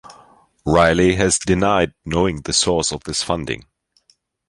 Riley has denied knowing the source of this funding.